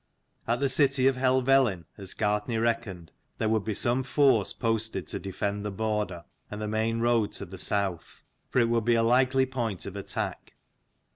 At the city of Helvellyn, as Gartnaidh reckoned, there would be some force posted to defend the border and the main road to the south, for it would be a likely point of attack.